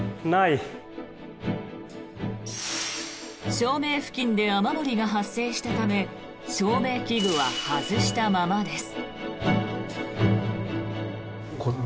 照明付近で雨漏りが発生したため照明器具は外したままです。